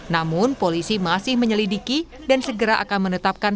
namun polisi masih menyelidiki dan segera akan menetapkan